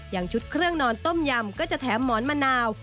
อย่างชุดเครื่องนอนต้มยำก็จะแถมหมอนมะนาว